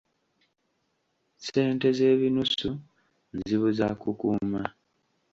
Ssente z’ebinusu nzibu za kukuuma.